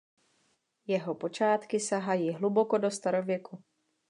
Jeho počátky sahají hluboko do starověku.